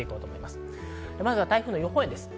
まずは台風の予報円です。